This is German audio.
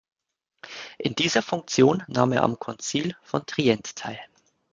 In dieser Funktion nahm er am Konzil von Trient teil.